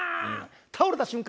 倒れた瞬間